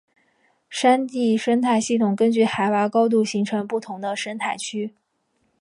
山地生态系统根据海拔高度形成不同的生态区。